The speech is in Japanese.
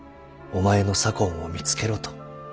お前の左近を見つけろ」と。